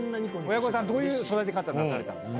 親御さん、どういう育て方なされたんですか？